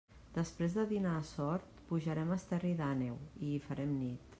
Després de dinar a Sort, pujarem a Esterri d'Àneu, i hi farem nit.